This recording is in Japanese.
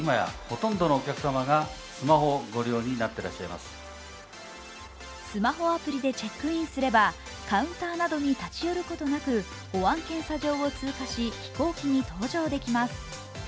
その理由はスマホアプリでチェックインすればカウンターなどに立ち寄ることなく保安検査場を通過し飛行機に搭乗できます。